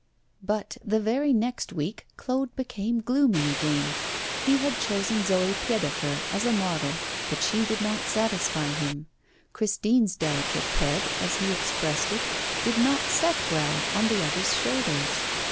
But the very next week Claude became gloomy again. He had chosen Zoé Piedefer as a model, but she did not satisfy him. Christine's delicate head, as he expressed it, did not set well on the other's shoulders.